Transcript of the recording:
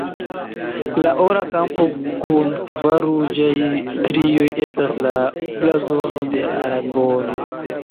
La ora kampo kun kvar ruĝaj strioj estas la blazono de Aragono.